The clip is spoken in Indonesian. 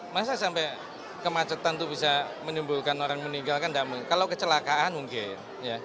masa sampai kemacetan itu bisa menimbulkan orang meninggal kan kalau kecelakaan mungkin